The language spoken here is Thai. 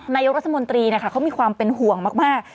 นายกรัฐมนตรีเขามีความเป็นห่วงมาก